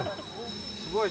すごい。